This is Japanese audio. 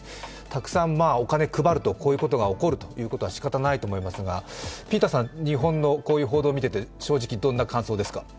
たくさんお金配るとこういうことが起こるということはしかたがないと思いますが、日本のこういう報道を見ていて正直どういう感想ですか？